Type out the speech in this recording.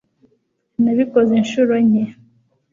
nabikoze inshuro nke